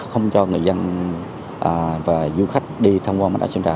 không cho người dân và du khách đi thăm quan bán đảo sơn trà